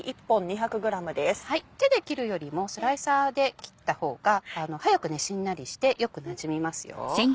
手で切るよりもスライサーで切った方が早くしんなりしてよくなじみますよ。